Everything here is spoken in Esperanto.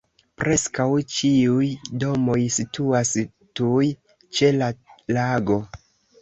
Preskaŭ ĉiuj domoj situas tuj ĉe la lago.